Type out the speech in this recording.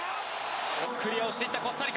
クリアをしていったコスタリカ